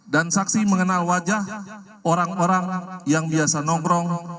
saksi mengenal wajah orang orang yang biasa nongkrong